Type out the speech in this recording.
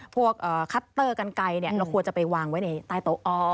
คัตเตอร์กันไกลเราควรจะไปวางไว้ในใต้โต๊ะ